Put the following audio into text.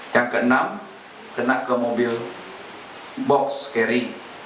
yang keenam kena ke mobil box carry